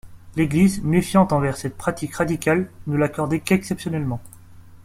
L'Église, méfiante envers cette pratique radicale, ne l'accordait qu'exceptionnellement.